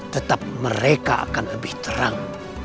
tetap mereka akan lebih terang